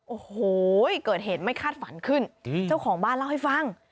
โอ้โหเกิดเหตุไม่คาดฝันขึ้นเจ้าของบ้านเล่าให้ฟัง